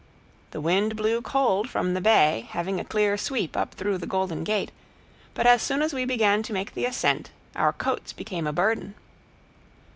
The wind blew cold from the bay, having a clear sweep up through the Golden Gate, but as soon as we began to make the ascent our coats became a burden.